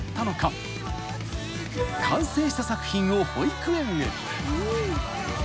［完成した作品を保育園へ］